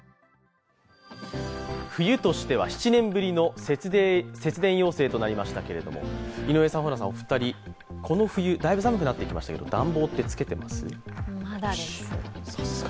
冬としては７年ぶりの節電要請となりましたけれども、お二人、この冬だいぶ寒くなってきましたけれども、暖房ってつけてます？